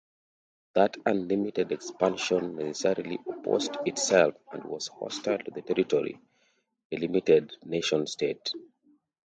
That unlimited expansion necessarily opposed itself and was hostile to the territorially delimited nation-state.